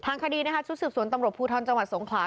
ทางคดีสุดสืบสวนตำรวจภูท้อนจังหวัดสงขา